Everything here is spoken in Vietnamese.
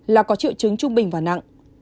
là có triệu chứng trung bình và nặng